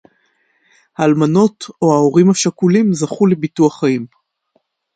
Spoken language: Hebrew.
האלמנות או ההורים השכולים זכו לביטוח חיים